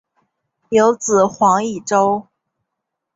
有子黄以周。